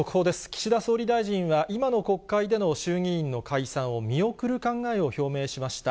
岸田総理大臣は、今の国会での衆議院の解散を見送る考えを表明しました。